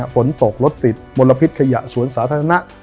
ฝนตกรถติดมลพิษขยะสวนสาธารณะ